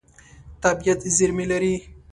طبیعت زېرمې لري.